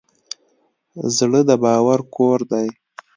زړه د باور کور دی.